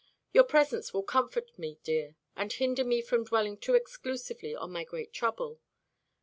Your presence will comfort me, dear, and hinder me from dwelling too exclusively on my great trouble.